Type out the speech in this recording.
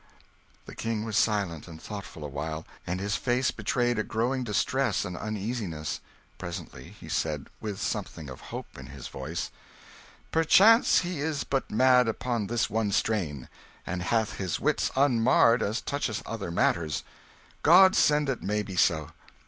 The King was silent and thoughtful a while, and his face betrayed a growing distress and uneasiness. Presently he said, with something of hope in his voice "Perchance he is but mad upon this one strain, and hath his wits unmarred as toucheth other matter. God send it may be so!